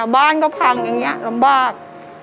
บ้านก็พังอย่างนี้ลำบาก